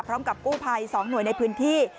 พร้อมกับกู้ภัย๒หน่วยในพื้นที่